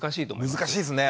難しいですね。